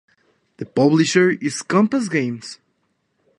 The publisher is Compass Games.